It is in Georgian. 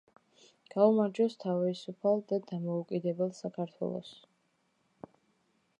გაუმარჯოს თავისუფალ და დამოუკიდებელ საქართველოს!